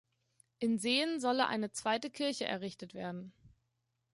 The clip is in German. In Seen solle eine zweite Kirche errichtet werden.